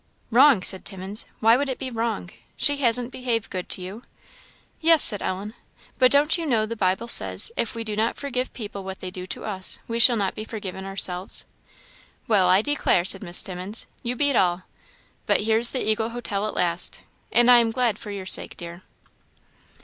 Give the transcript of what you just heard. "Wrong!" said Timmins; "why would it be wrong? she hasn't behaved good to you." "Yes," said Ellen; "but don't you know the Bible says, if we do not forgive people what they do to us, we shall not be forgiven ourselves?" "Well, I declare," said Miss Timmins, "you beat all! But here's the Eagle hotel at last, and I am glad for your sake, dear."